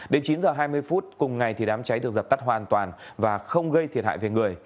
đến chín h hai mươi phút cùng ngày đám cháy được dập tắt hoàn toàn và không gây thiệt hại về người